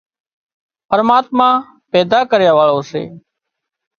پرماتما پيدا ڪريا واۯو سي